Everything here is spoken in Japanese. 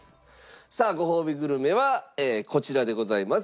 さあごほうびグルメはこちらでございます。